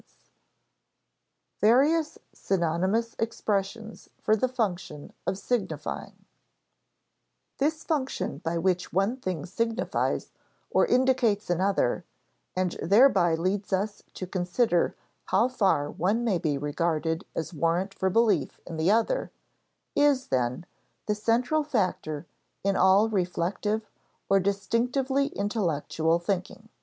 [Sidenote: Various synonymous expressions for the function of signifying] This function by which one thing signifies or indicates another, and thereby leads us to consider how far one may be regarded as warrant for belief in the other, is, then, the central factor in all reflective or distinctively intellectual thinking.